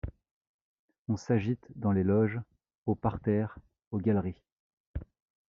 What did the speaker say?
On s’agite dans les loges, au parterre, aux galeries.